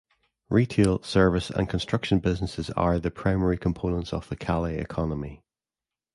Retail, service, and construction businesses are the primary components of the Calais economy.